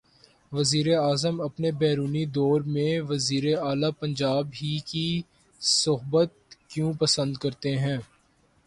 وزیراعظم اپنے بیرونی دورے میں وزیر اعلی پنجاب ہی کی صحبت کیوں پسند کرتے ہیں؟